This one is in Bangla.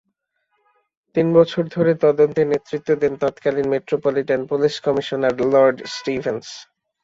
তিন বছর ধরে তদন্তে নেতৃত্ব দেন তত্কালীন Metropolitan Police Commissioner Lord Stephen's.